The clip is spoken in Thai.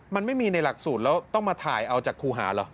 มันไม่มีในหลักสูตรแล้วต้องมาถ่ายเอาจากครูหาเหรอ